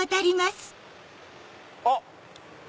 あっ！